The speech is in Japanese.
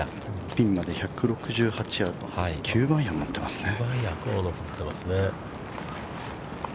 ◆ピンまで１６８ヤード、９番アイアンを持ってますね。